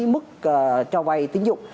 mức cho vay tín dụng